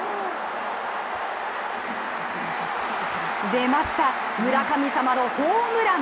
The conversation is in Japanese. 出ました、村神様のホームラン。